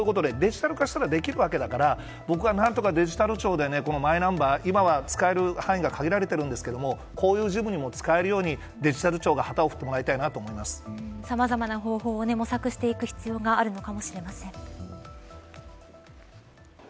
全部これはデジタル化したらできるわけだから僕は何とかデジタル庁でマイナンバー今は使える範囲が限られてるんですけどこういうものにも使えるようにデジタル庁が旗を振ってさまざまな方法を模索していく必要があるのかもしれません。